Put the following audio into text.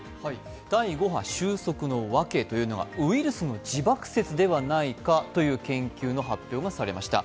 第５波収束のわけが、ウイルスの自爆説ではないかという研究の発表がされました。